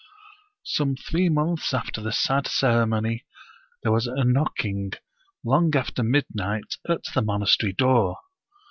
Some three months after the sad ceremony there was a knocking, long after midnight, at the monastery door.